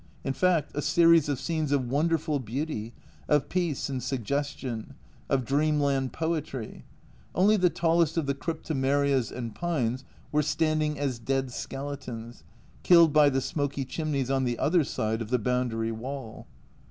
In fact a series of scenes of wonderful beauty, of peace and suggestion, of dreamland poetry only the tallest of the cryptomerias and pines were standing as dead skeletons, killed by the smoky chimneys on the other side of the boundary wall.